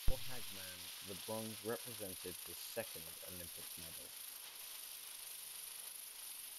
For Hagman, the bronze represented his second Olympic medal.